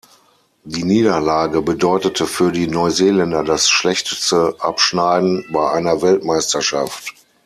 Die Niederlage bedeutete für die Neuseeländer das schlechteste Abschneiden bei einer Weltmeisterschaft.